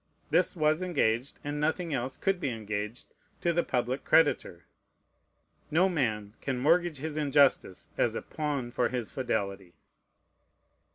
This was engaged, and nothing else could be engaged, to the public creditor. No man can mortgage his injustice as a pawn for his fidelity.